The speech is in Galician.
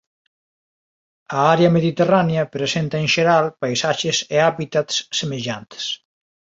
A área mediterránea presenta en xeral paisaxes e hábitats semellantes.